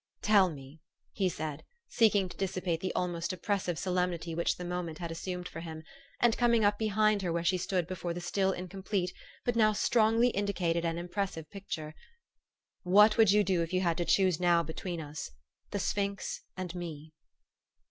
"Tell me," he said, seeking to dissipate the almost oppressive solemnity which the moment had assumed for him, and coming up behind her where she stood before the still incomplete but now strongly indicated and impressive picture, " what would you do if you had to choose now between us, the sphinx and me